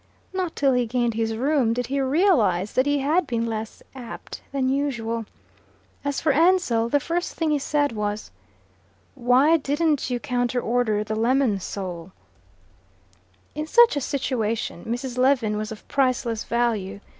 Not till he gained his room did he realize that he had been less apt than usual. As for Ansell, the first thing he said was, "Why didn't you counter order the lemon sole?" In such a situation Mrs. Lewin was of priceless value.